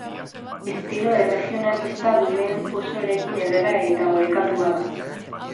Estilo erregionalista duen oso eraikin ederra eta orekatua da.